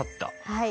はい。